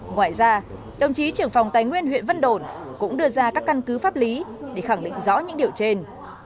ngoài ra đồng chí trưởng phòng tài nguyên huyện vân đồn cũng đưa ra các căn cứ pháp lý để khẳng định rõ những điều trên